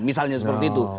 misalnya seperti itu